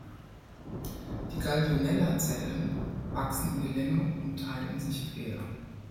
Die "Gallionella"-Zellen wachsen in die Länge und teilen sich quer.